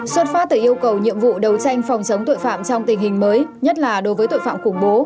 xuất phát từ yêu cầu nhiệm vụ đấu tranh phòng chống tội phạm trong tình hình mới nhất là đối với tội phạm khủng bố